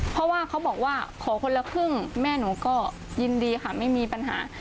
เพราะว่าเขาบอกว่าขอคนละครึ่งแม่หนูก็ยินดีค่ะไม่มีปัญหา